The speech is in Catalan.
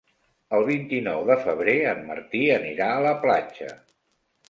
El vint-i-nou de febrer en Martí anirà a la platja.